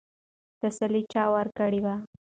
تسلي چا ورکړې وه؟